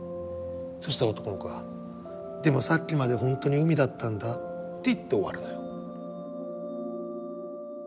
そしたら男の子は「でもさっきまでほんとに海だったんだ」って言って終わるのよ。